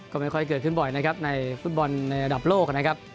ก็ไม่ค่อยเกิดขึ้นบ่อยนะครับในฟุตบอลในระดับโลกนะครับ